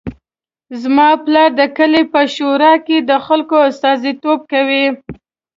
زما پلار د کلي په شورا کې د خلکو استازیتوب کوي